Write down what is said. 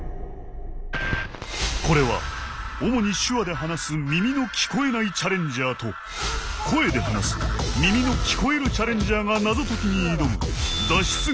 これは主に手話で話す耳の聞こえないチャレンジャーと声で話す耳の聞こえるチャレンジャーが謎解きに挑む脱出